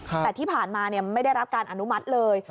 แต่ที่ผ่านมาไม่ได้รับการอนุมัติเลย